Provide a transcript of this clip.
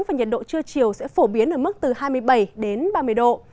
và nhiệt độ trưa chiều sẽ phổ biến ở mức từ hai mươi bảy đến ba mươi độ